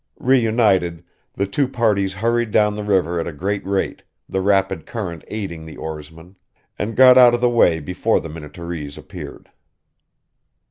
Reunited, the two parties hurried down the river at a great rate, the rapid current aiding the oarsmen, and got out of the way before the Minnetarees appeared.